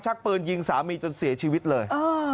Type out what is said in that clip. ชักปืนยิงสามีจนเสียชีวิตเลย